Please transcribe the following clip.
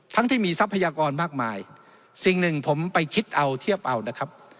ที่มีทรัพยากรมากมายสิ่งหนึ่งผมไปคิดเอาเทียบเอานะครับ